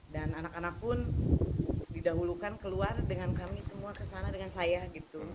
dan anak anak pun didahulukan keluar dengan kami semua kesana dengan saya gitu